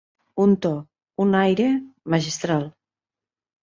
Un to, un aire, magistral.